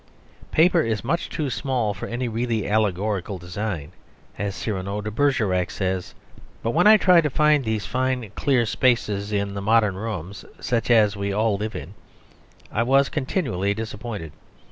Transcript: Paper is much too small for any really allegorical design; as Cyrano de Bergerac says, "Il me faut des géants." But when I tried to find these fine clear spaces in the modern rooms such as we all live in I was continually disappointed.